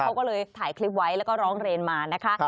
เขาก็เลยถ่ายคลิปไว้แล้วก็ร้องเรียนมานะคะ